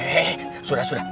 eh sudah sudah